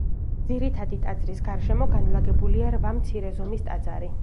ძირითადი ტაძრის გარშემო განლაგებულია რვა მცირე ზომის ტაძარი.